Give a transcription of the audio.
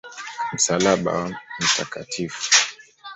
Msalaba wa Mt.